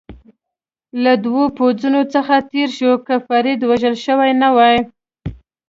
له دوو پوځونو څخه تېر شو، که فرید وژل شوی نه وای.